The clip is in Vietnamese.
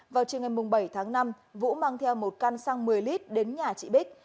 vào chiều ngày bảy tháng năm vũ mang theo một căn xăng một mươi lit đến nhà chị bích